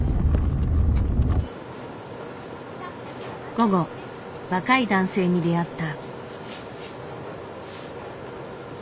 午後若い男性に出会った。